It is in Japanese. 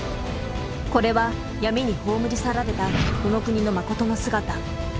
これは闇に葬り去られたこの国のまことの姿。